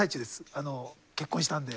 あの結婚したんで。